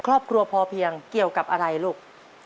ครอบครัวพอเพียงเกี่ยวกับอะไรลูก